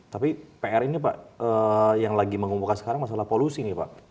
tapi pr ini pak yang lagi mengumpulkan sekarang masalah polusi nih pak